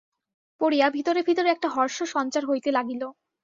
পড়িয়া ভিতরে ভিতরে একটা হর্ষসঞ্চার হইতে লাগিল।